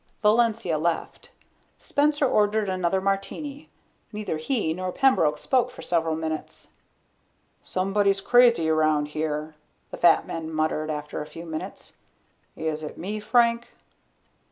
Valencia left. Spencer ordered another martini. Neither he nor Pembroke spoke for several minutes. "Somebody's crazy around here," the fat man muttered after a few moments. "Is it me, Frank?"